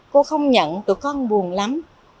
cô không nhận tụi con buồn lắm